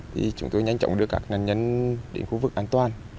thì chúng tôi nhanh chóng đưa các nạn nhân đến khu vực an toàn